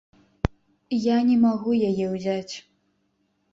Я не магу яе ўзяць.